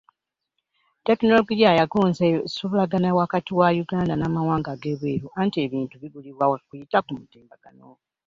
Tekinologiya yagonza ensuubulagana wakati wa uganda n'amawanga ag'ebweru anti ebintu bigulibwa kuyita ku mutimbagano.